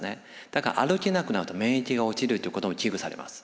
だから歩けなくなると免疫が落ちるということも危惧されます。